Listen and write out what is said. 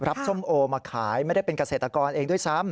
ส้มโอมาขายไม่ได้เป็นเกษตรกรเองด้วยซ้ำ